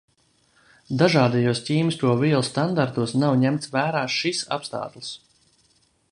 Dažādajos ķīmisko vielu standartos nav ņemts vērā šis apstāklis.